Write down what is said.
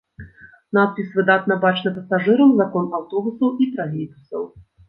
Надпіс выдатна бачны пасажырам з акон аўтобусаў і тралейбусаў.